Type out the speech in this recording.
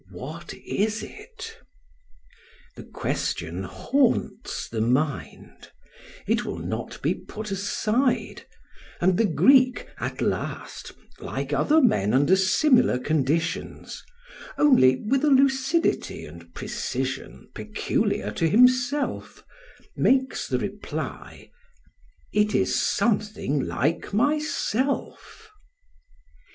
What is it? The question haunts the mind; it will not be put aside; and the Greek at last, like other men under similar conditions, only with a lucidity and precision peculiar to himself, makes the reply, "it is something like myself."